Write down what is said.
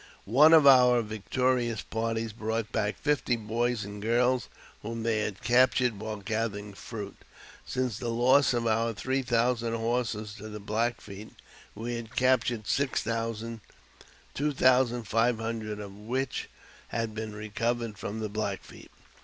One of our victorious parties brought back fifty boys and] girls whom they had captured while gathering fruit. Sinc&j the loss of our three thousand horses to the Black Feet we:? had captured six thousand, two thousand five hundred of which had been recovered from the Black Feet.